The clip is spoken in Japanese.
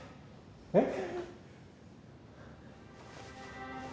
えっ？